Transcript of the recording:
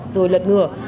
rồi lật ngửa